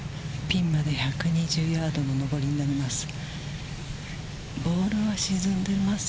ピンまで１２０ヤードの上りになります。